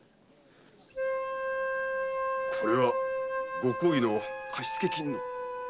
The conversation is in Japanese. これはご公儀の貸付金の！